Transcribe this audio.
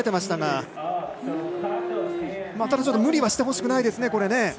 ただ無理はしてほしくないですね。